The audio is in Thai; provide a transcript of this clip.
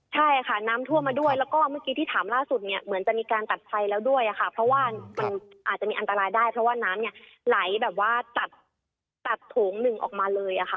ใช่ค่ะน้ำท่วมมาด้วยแล้วก็เมื่อกี้ที่ถามล่าสุดเนี่ยเหมือนจะมีการตัดไฟแล้วด้วยค่ะเพราะว่ามันอาจจะมีอันตรายได้เพราะว่าน้ำเนี่ยไหลแบบว่าตัดโถงหนึ่งออกมาเลยค่ะ